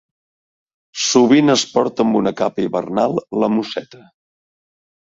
Sovint es porta amb una capa hivernal, la musseta.